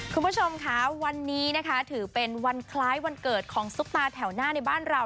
คุณผู้ชมค่ะวันนี้นะคะถือเป็นวันคล้ายวันเกิดของซุปตาแถวหน้าในบ้านเรา